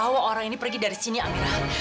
bahwa orang ini pergi dari sini amirah